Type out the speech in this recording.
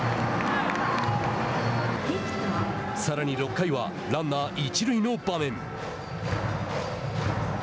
さらに６回はランナー一塁の場面。